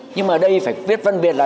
nhưng mà đây phải viết phân biệt là